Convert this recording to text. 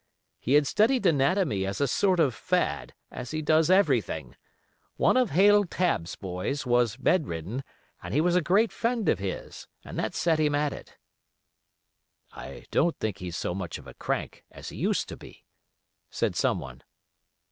He had studied anatomy as a sort of fad, as he does everything. One of Haile Tabb's boys was bedridden, and he was a great friend of his, and that set him at it." "I don't think he's so much of a crank as he used to be," said someone.